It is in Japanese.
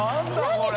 これ。